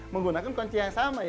menggunakan kunci yang sama